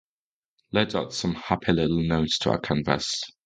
Let's add some happy little notes to our canvas.